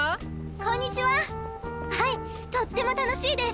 こんにちははいとっても楽しいです。